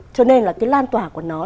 cho nên là cái lan tỏa của nó